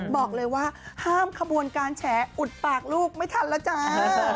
บอกเลยว่าห้ามขบวนการแฉอุดปากลูกไม่ทันแล้วจ้า